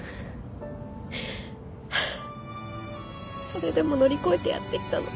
それでも乗り越えてやってきたの。